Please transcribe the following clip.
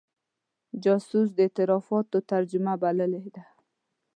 جاسوس د اعترافاتو ترجمه بللې ده.